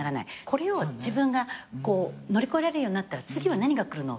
これを自分が乗り越えられるようになったら次は何がくるの？